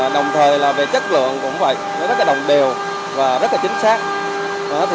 đồng thời về chất lượng cũng vậy nó rất đồng đều và rất chính xác